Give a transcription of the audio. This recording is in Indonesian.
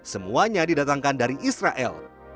semuanya didatangkan dari israel